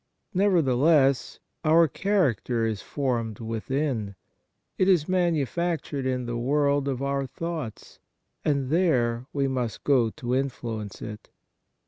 Nevertheless, our character is formed within. It is manu factured in the world of our thoughts, and there we must go to influence it.